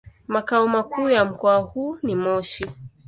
Makao makuu ya mkoa huu ni Moshi.